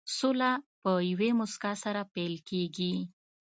سوله په یوې موسکا سره پيل کېږي.